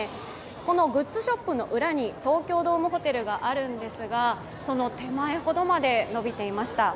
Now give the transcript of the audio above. このグッズショップの裏に東京ドームホテルがあるんですが、その手前ほどまで延びていました。